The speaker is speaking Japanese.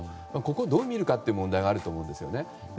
ここをどう見るかという問題があるかと思うんですね。